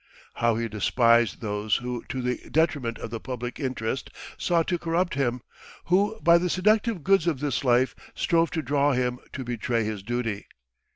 ... How he despised those who to the detriment of the public interest sought to corrupt him, who by the seductive goods of this life strove to draw him to betray his duty!